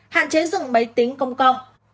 hạn chế dùng máy tính công công